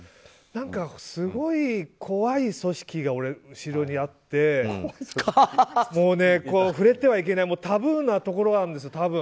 すごい怖い組織が後ろにあって触れてはいけないタブーなところなんです、多分。